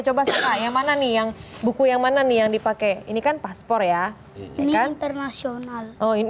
coba sepaya mana nih yang buku yang manan yang dipakai ini kan paspor ya kan internasional oh ini